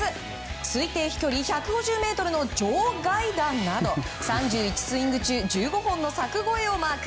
推定飛距離１５０ｍの場外弾など３１スイング中１５本の柵越えをマーク。